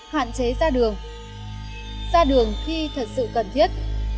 hạn chế ra đường ra đường khi thật sự cần thiết